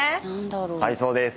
はいそうです。